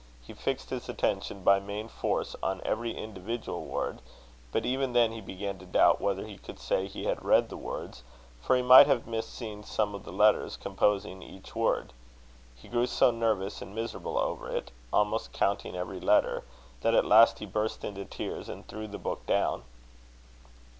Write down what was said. He fixed his attention by main force on every individual word; but even then he began to doubt whether he could say he had read the words, for he might have missed seeing some of the letters composing each word. He grew so nervous and miserable over it, almost counting every letter, that at last he burst into tears, and threw the book down.